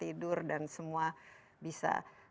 tidur dan semua bisa